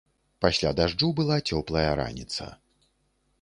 Пасля дажджу была цёплая раніца.